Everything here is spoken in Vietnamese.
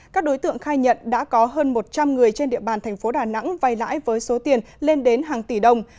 các đối tượng khai nhận đã có hơn một trăm linh người trên địa bàn thành phố đà nẵng vay lãi với số tiền lên đến hàng tỷ đồng